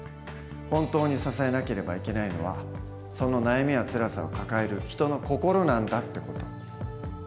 本当に支えなければいけないのはその悩みやつらさを抱える人の心なんだ」って事。